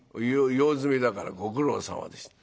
用済みだからご苦労さまでした」。